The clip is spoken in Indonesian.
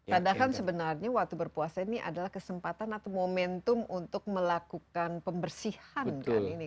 padahal sebenarnya waktu berpuasa ini adalah kesempatan atau momentum untuk melakukan pembersihan kan ini